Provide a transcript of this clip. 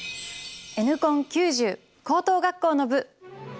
「Ｎコン９０」高等学校の部。